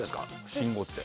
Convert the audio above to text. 信号って。